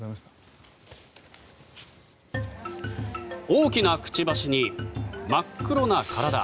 大きなくちばしに真っ黒な体。